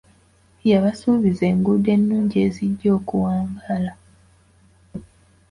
Yabasuubizza enguudo ennungi ezijja okuwangaala.